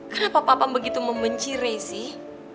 kenapa papa begitu membenci rey sih